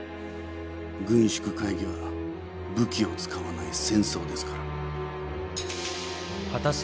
軍縮会議は武器を使わない戦争ですから。